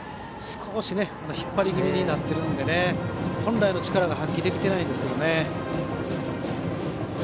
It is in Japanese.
少し引っ張り気味になっているので本来の力が発揮できていないんですけどね。